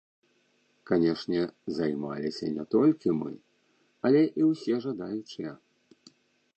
Канешне, займаліся не толькі мы, але і ўсе жадаючыя.